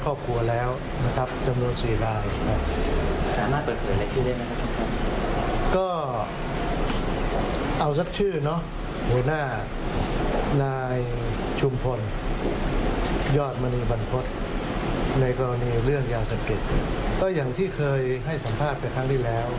ก็อย่างที่เคยให้สัมภาษณ์ไปครั้งที่แล้ว